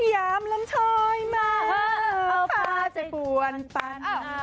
ยามลำชอยมาเอาผ้าใจปวนปัน